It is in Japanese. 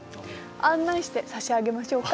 案内してさしあげましょうか？